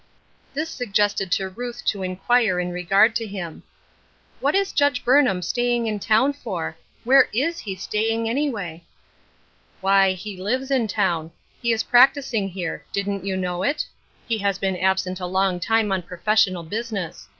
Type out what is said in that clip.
This suggested to Ruth to inquire in regard to him. " What is Judge Burnham staying in town for? Where is he staying, anyway?" " Why, he lives in town. lie is practicing here. Didn't yo\i know it? He has been absent % long time on professional business.